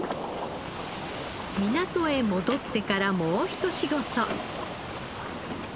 港へ戻ってからもうひと仕事。